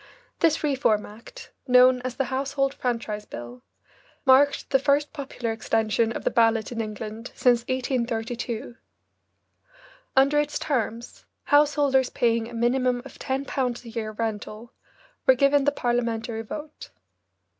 This Reform Act, known as the Household Franchise Bill, marked the first popular extension of the ballot in England since 1832. Under its terms, householders paying a minimum of ten pounds a year rental were given the Parliamentary vote.